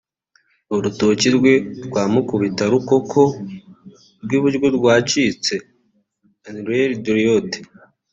urutoki rwe rwa mukubitarukoko rw’iburyo rwacitse(annulaire droite)